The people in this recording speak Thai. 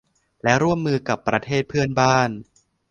และร่วมมือกับประเทศเพื่อนบ้าน